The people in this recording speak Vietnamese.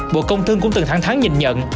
bộ công thương cũng từng thẳng thắng nhìn nhận